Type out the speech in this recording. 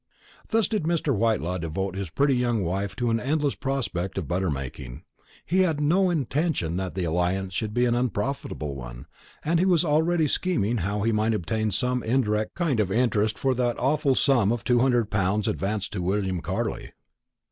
Thus did Mr. Whitelaw devote his pretty young wife to an endless prospect of butter making. He had no intention that the alliance should be an unprofitable one, and he was already scheming how he might obtain some indirect kind of interest for that awful sum of two hundred pounds advanced to William Carley.